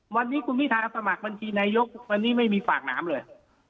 วันนี้คุณพิธาสมัครบัญชีนายกวันนี้ไม่มีฝากน้ำเลย